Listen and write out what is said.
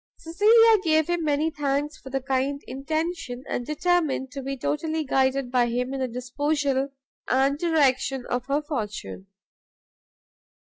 Cecilia gave him many thanks for the kind intention, and determined to be totally guided by him in the disposal and direction of her fortune.